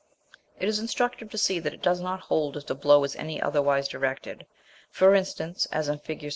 ] It is instructive to see that it does not hold if the blow is any otherwise directed; for instance, as in Fig.